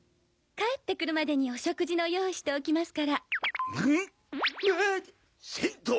帰って来るまでにお食事の用意しておきますからむうっ！